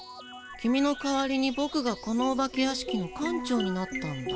キミの代わりにボクがこのお化け屋敷の館長になったんだ。